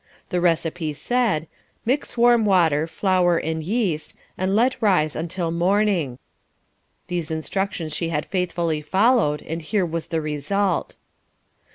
The receipt said: "Mix warm water, flour and yeast, and let rise until morning," these instructions she had faithfully followed, and here was the result.